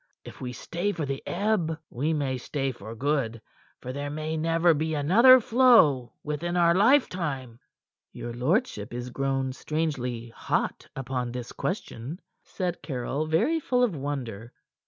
If we stay for the ebb, we may stay for good; for there may never be another flow within our lifetime." "Your lordship is grown strangely hot upon this question," said Caryll, very full of wonder.